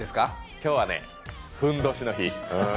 今日はふんどしの日。